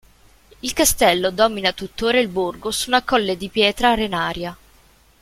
Il castello domina tuttora il borgo su un colle di pietra arenaria.